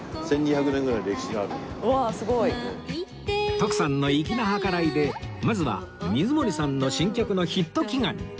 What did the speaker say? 徳さんの粋な計らいでまずは水森さんの新曲のヒット祈願に